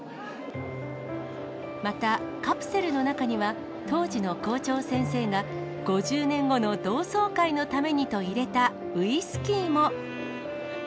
またカプセルの中には、当時の校長先生が、５０年後の同窓会のためにと入れたウイスキーも。